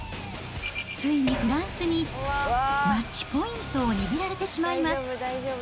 ついにフランスにマッチポイントを握られてしまいます。